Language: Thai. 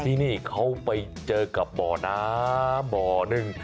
ที่นี่เขาไปเจอกับบ่อน้ำบ่อหนึ่ง